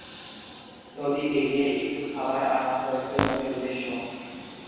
নদী পেরিয়ে একটু খাবার আর আশ্রয় ছিলো তাদের উদ্দেশ্য।